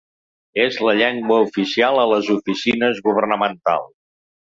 És la llengua oficial a les oficines governamentals.